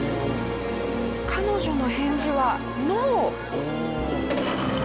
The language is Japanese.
彼女の返事は「ノー」。